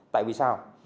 tại vì sao